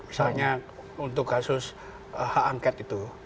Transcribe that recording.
misalnya untuk kasus hak angket itu